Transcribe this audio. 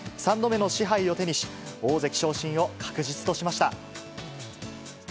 ３度目の賜杯を手にし、大関昇進を確実としました。